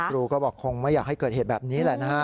ครูก็บอกคงไม่อยากให้เกิดเหตุแบบนี้แหละนะฮะ